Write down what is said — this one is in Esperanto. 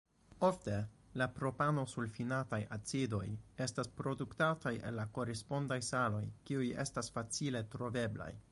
Ofte la propanosulfinataj acidoj estas produktataj el la korespondaj saloj kiuj estas facile troveblaj.